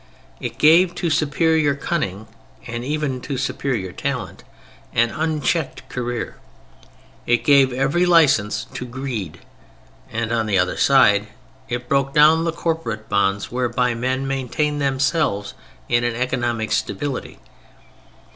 It gave to superior cunning and even to superior talent an unchecked career. It gave every license to greed. And on the other side it broke down the corporate bonds whereby men maintain themselves in an economic stability.